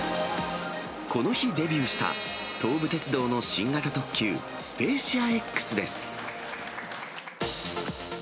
この日デビューした、東武鉄道の新型特急、スペーシアＸです。